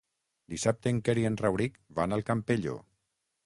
Dissabte en Quer i en Rauric van al Campello.